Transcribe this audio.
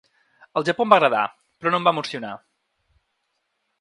El Japó em va agradar, però no em va emocionar.